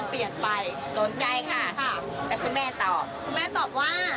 พระหยัดกระดาษค่ะ